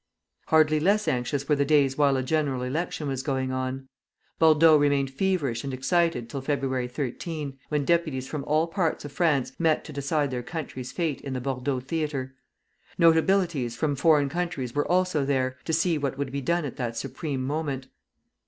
Hardly less anxious were the days while a general election was going on. Bordeaux remained feverish and excited till February 13, when deputies from all parts of France met to decide their country's fate in the Bordeaux theatre. Notabilities from foreign countries were also there, to see what would be done at that supreme moment.